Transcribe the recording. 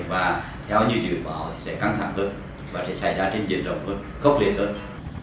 và theo như dự báo sẽ căng thẳng hơn và sẽ xảy ra trên diện rộng hơn khốc liệt hơn